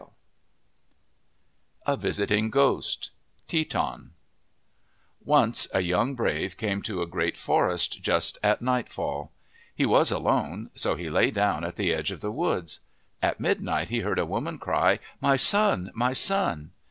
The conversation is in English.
99 MYTHS AND LEGENDS A VISITING GHOST Teton ONCE a young brave came to a great forest just at nightfall. He was alone, so he lay down at the edge of the woods. At midnight he heard a woman cry, " My son ! my son